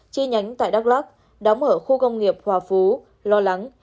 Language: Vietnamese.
chi nhánh tại đắk lắc đóng ở khu công nghiệp hòa phú lo lắng